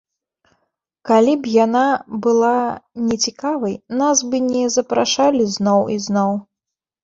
Калі б яна была нецікавай, нас бы не запрашалі зноў і зноў.